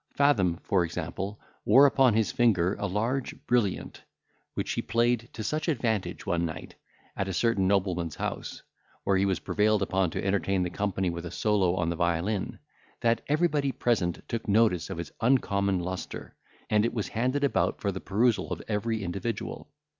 Fathom, for example, wore upon his finger a large brilliant, which he played to such advantage one night, at a certain nobleman's house, where he was prevailed upon to entertain the company with a solo on the violin, that everybody present took notice of its uncommon lustre, and it was handed about for the perusal of every individual.